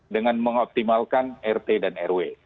mengeoptimalkan rt dan rw